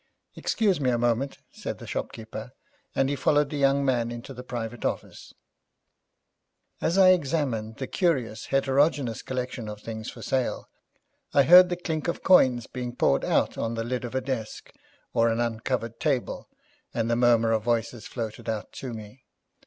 'Excuse me a moment,' said the shopkeeper, and he followed the young man into the private office. As I examined the curious heterogeneous collection of things for sale, I heard the clink of coins being poured out on the lid of a desk or an uncovered table, and the murmur of voices floated out to me.